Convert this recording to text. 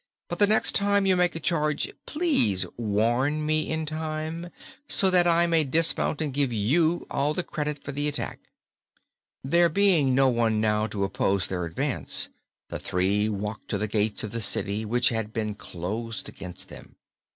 "But the next time you make a charge, please warn me in time, so that I may dismount and give you all the credit for the attack." There being no one now to oppose their advance, the three walked to the gates of the city, which had been closed against them.